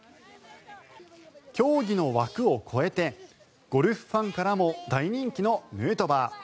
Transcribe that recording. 競技の枠を超えてゴルフファンからも大人気のヌートバー。